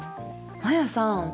マヤさん